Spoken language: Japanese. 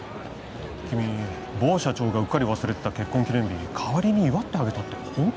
君某社長がうっかり忘れてた結婚記念日代わりに祝ってあげたってほんと？